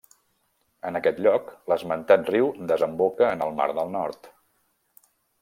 En aquest lloc, l'esmentat riu desemboca en el mar del Nord.